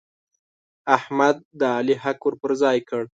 احمد د علي حق ور پر ځای کړ.